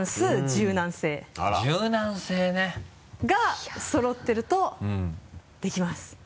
柔軟性ね。がそろってるとできます。